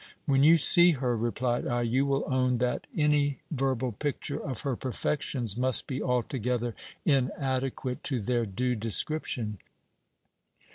When you see her, replied I, you will own that any ver bal picture of her perfections must be altogether inadequate to their due descrip tion.